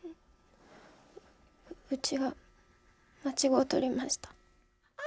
うちが間違うとりました。